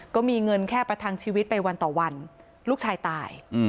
ก็มีเงินแค่ประทังชีวิตไปวันต่อวันลูกชายตาย